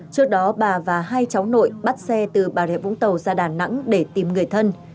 trước đó bà và hai cháu nội bắt xe từ bà rịa vũng tàu ra đà nẵng để tìm người thân